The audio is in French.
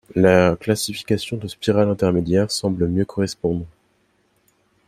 La classification de spirale intermédiaire semble mieux correspondre.